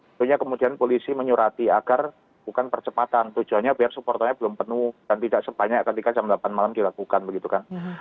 tentunya kemudian polisi menyurati agar bukan percepatan tujuannya biar supporternya belum penuh dan tidak sebanyak ketika jam delapan malam dilakukan begitu kan